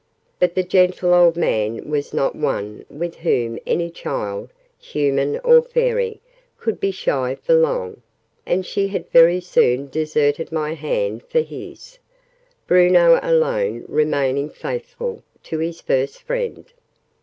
But the gentle old man was not one with whom any child, human or fairy, could be shy for long; and she had very soon deserted my hand for his Bruno alone remaining faithful to his first friend.